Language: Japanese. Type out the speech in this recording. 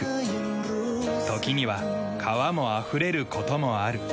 時には川もあふれる事もある。